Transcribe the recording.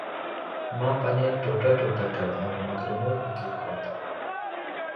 ما پنیر ټوټه ټوټه کړ او په مکرونیو مې کښېښود.